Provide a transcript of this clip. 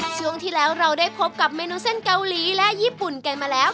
ช่วงที่แล้วเราได้พบกับเมนูเส้นเกาหลีและญี่ปุ่นกันมาแล้ว